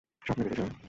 স্বপ্নে বেঁচেই ছিলেন।